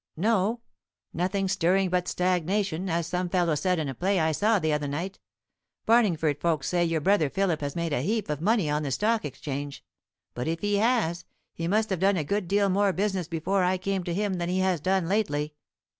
No nothing stirring but stagnation, as some fellow said in a play I saw the other night. Barlingford folks say your brother Philip has made a heap of money on the Stock Exchange; but if he has, he must have done a good deal more business before I came to him than he has done lately.